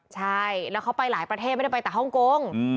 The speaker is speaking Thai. ใช่แล้วเขาไปหลายประเทศไม่ได้ไปแต่ฮ่องกง